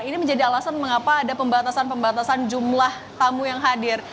ini menjadi alasan mengapa ada pembatasan pembatasan jumlah tamu yang hadir